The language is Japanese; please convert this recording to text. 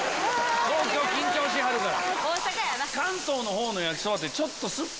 東京緊張しはるから。